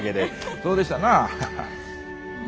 そうでしたな？